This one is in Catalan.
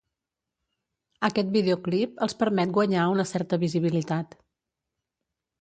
Aquest videoclip els permet guanyar una certa visibilitat.